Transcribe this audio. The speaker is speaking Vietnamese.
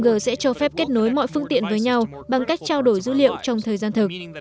năm g sẽ cho phép kết nối mọi phương tiện với nhau bằng cách trao đổi dữ liệu trong thời gian thực